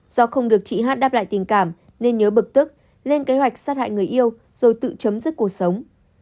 do không được chị hát đáp lại tình cảm nên nhớ bực tức lên kế hoạch sát hại người yêu rồi tự chấm dứt cuộc sống